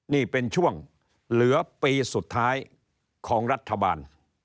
นี่เป็นช่วงเหลือปีสุดท้ายของรัฐบาล